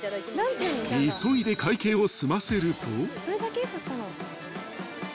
［急いで会計を済ませると］